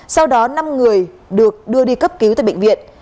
sau đó năm người được đưa đi cấp cứu tại bệnh viện